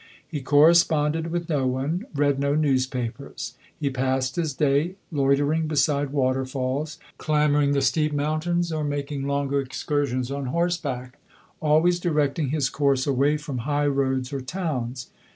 He corresponded with no one, read no newspapers. He passed his day, loitering beside waterfalls, clambering the steep mountains, or making longer excursions on horseback, always directing his course away from high roads or towns.